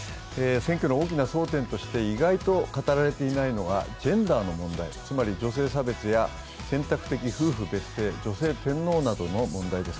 選挙の大きな争点として意外と語られていないのがジェンダーの問題、つまり女性差別や選択的夫婦別姓、女性天皇などの問題です。